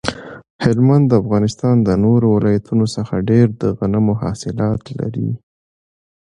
هلمند د افغانستان د نورو ولایتونو څخه ډیر د غنمو حاصلات لري